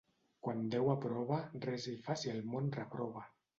Quan Déu aprova, res hi fa si el món reprova.